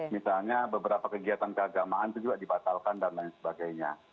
misalnya beberapa kegiatan keagamaan itu juga dibatalkan dan lain sebagainya